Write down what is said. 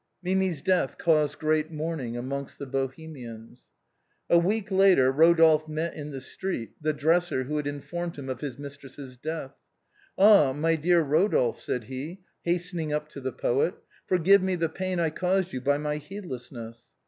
Mimi's death caused great mourning amongst the Bohe mians. A week later Eodolphe met in the street the dresser who had informed him of his mistress's death. "Ah! my dear Eodolphe," said he, hastening up to the poet, " forgive me the pain I caused you by my heedless ness."